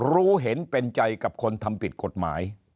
รู้เห็นเป็นใจกับคนทำผิดกฎหมาย